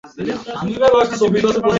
ওকে গিয়ে দেখিয়ে আসি।